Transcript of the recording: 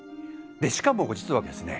しかも実はですね